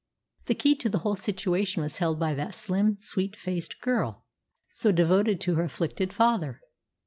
The key to the whole situation was held by that slim, sweet faced girl, so devoted to her afflicted father.